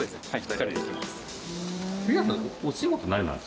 ２人で行きます。